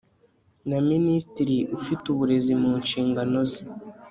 na minisitiri ufite uburezi mu nshingano ze